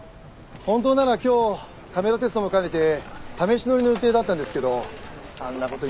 本当なら今日カメラテストも兼ねて試し乗りの予定だったんですけどあんな事になっちゃって。